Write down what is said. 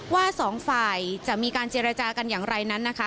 สองฝ่ายจะมีการเจรจากันอย่างไรนั้นนะคะ